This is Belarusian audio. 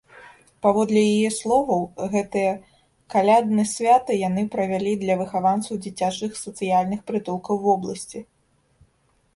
Паводле яе словаў, гэтае калядны свята яны правялі для выхаванцаў дзіцячых сацыяльных прытулкаў вобласці.